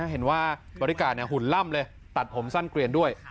บอกว่าบริการหุ่นล่ำเลยตัดผมสั้นเกลียนด้วย